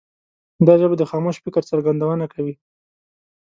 دا ژبه د خاموش فکر څرګندونه کوي.